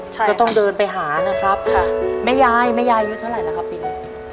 ใช่ก็ต้องเดินไปหานะครับค่ะแม่ยายแม่ยายอายุเท่าไหร่แล้วครับปีนี้